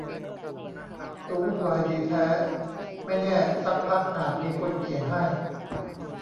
ดูวุ่นวายดีแท้ ไม่แน่ซักพักอาจมีคนเขียน ให้